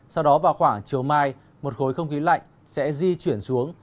sau đó vào khoảng chiều mai một khối không khí lạnh sẽ di chuyển xuống